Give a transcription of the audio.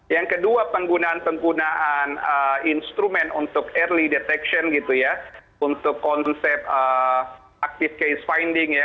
yang kedua penggunaan penggunaan instrumen untuk early detection gitu ya untuk konsep active case finding ya